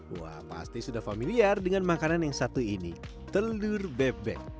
wah pasti sudah familiar dengan makanan yang satu ini telur bebek